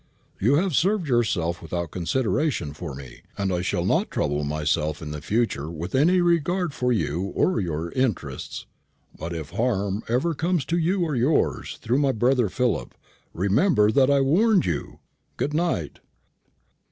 You have served yourself without consideration for me, and I shall not trouble myself in the future with any regard for you or your interests. But if harm ever comes to you or yours, through my brother Philip, remember that I warned you. Good night."